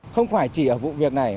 không phải chỉ ở vụ việc này